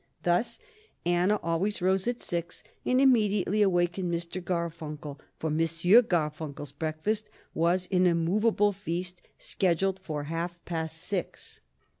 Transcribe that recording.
Thus Anna always rose at six and immediately awakened Mr. Garfunkel, for M. Garfunkel's breakfast was an immovable feast, scheduled for half past six.